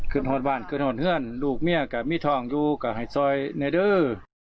ขึ้นห่วงบ้านขึ้นห่วงเพื่อนลูกเมียกะมีทองอยู่กะให้ซอยในด้วย